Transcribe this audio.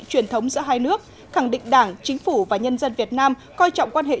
truyền thống giữa hai nước khẳng định đảng chính phủ và nhân dân việt nam coi trọng quan hệ